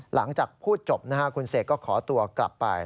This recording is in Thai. หลังจากพูดจบคุณเสกก็ขอตัวกลับไป